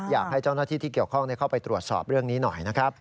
อยากให้เจ้าหน้าที่ที่เกี่ยวข้องเข้าไปตรวจสอบเรื่องนี้หน่อยนะครับ